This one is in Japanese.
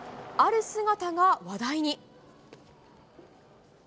ある姿が話題に。